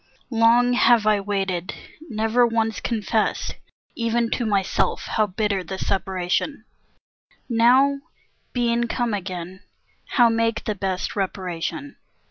Long have I waited, never once confessed, Even to myself, how bitter the separation; Now, being come again, how make the best Reparation?